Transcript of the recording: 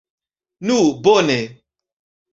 Nu, bone.